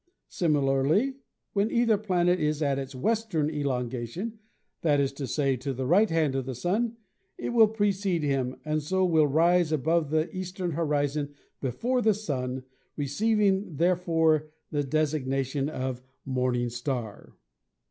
Similarly, when either planet is at its western elongation — that is to say, to the right hand of the Sun — it will precede him, and so will rise above the eastern horizon before the Sun, receiving therefore the designa tion of "morning star.